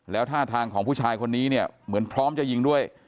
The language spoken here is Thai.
แล้วท่าทางของผู้ชายคนนี้เนี่ยเหมือนพร้อมจะยิงด้วย